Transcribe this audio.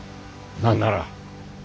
何なら。